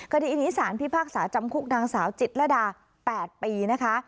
คดีนี้สารพิพากษาจำคุกนางสาวจิตรดา๘ปีนะคะ